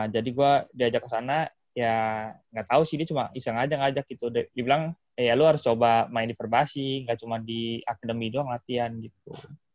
jadi gue diajak ke sana ya enggak tahu sih dia cuma iseng aja ngajak gitu dibilang ya lu harus coba main di perbasih enggak cuma di akademi doang latihan gitu